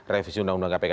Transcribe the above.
revisi undang undang kpk